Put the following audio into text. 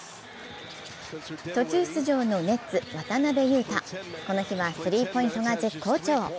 途中出場のメッツ渡邊雄太、この日はスリーポイントが絶好調。